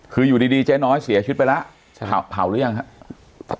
คืออยู่ดีเจ๊น้อยเสียชีวิตไปแล้วจะเผาหรือยังครับ